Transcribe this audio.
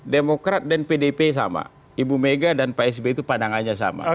demokrat dan pdp sama ibu mega dan pak sby itu pandangannya sama